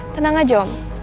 tenang aja om